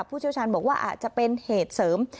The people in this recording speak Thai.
เชี่ยวชาญบอกว่าอาจจะเป็นเหตุเสริม